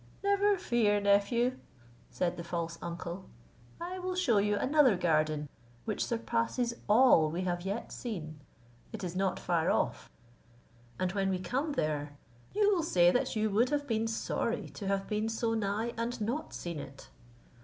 "Never fear, nephew," said the false uncle; "I will shew you another garden which surpasses all we have yet seen; it is not far off; and when we come there, you will say that you would have been sorry to have been so nigh, and not seen it."